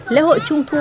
lễ hội trung thu